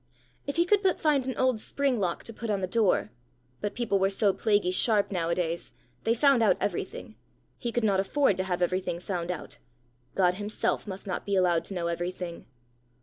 If he could but find an old spring lock to put on the door! But people were so plaguy sharp nowadays! They found out everything! he could not afford to have everything found out! God himself must not be allowed to know everything!